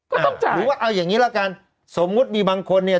ก็ต้องจ่ายหรือว่าเอาอย่างงี้ละกันสมมุติมีบางคนเนี่ย